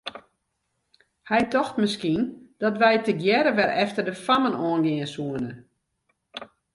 Hy tocht miskien dat wy tegearre wer efter de fammen oan gean soene.